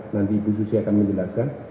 nanti ibu susi akan menjelaskan